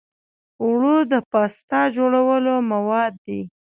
اوړه د پاستا جوړولو مواد دي